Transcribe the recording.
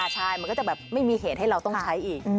ใช่มันก็จะแบบไม่มีเหตุให้เราต้องใช้อีก